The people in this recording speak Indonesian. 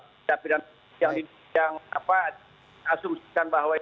tapi dalam teroris yang asumsikan bahwa